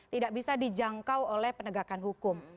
tidak bisa dijangkau oleh penegakan hukum